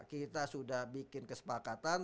kita sudah bikin kesepakatan